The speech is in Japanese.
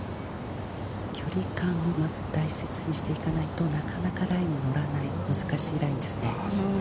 距離感を大切にしていかないとなかなかラインに難しい、乗らないですね。